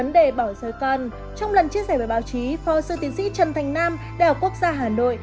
trong lần chia sẻ với báo chí phó sư tiến sĩ trần thành nam đèo quốc gia hà nội